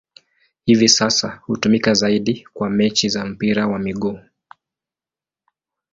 Hivi sasa hutumika zaidi kwa mechi za mpira wa miguu.